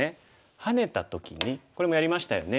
ハネた時にこれもやりましたよね。